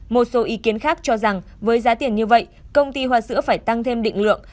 một số ý kiến khác cho rằng với giá tiền như vậy công ty hoa sữa phải tăng thêm định lượng